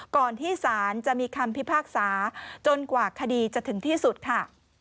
ก่อนที่ศาลจะมีคำพิพากษาจนกว่าคดีจะถึงที่สุดค่ะ